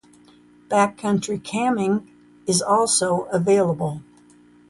Backcountry camping is also available.